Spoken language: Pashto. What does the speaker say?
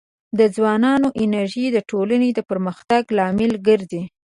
د ځوانانو انرژي د ټولنې د پرمختګ لامل ګرځي.